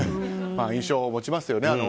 印象を持ちますよね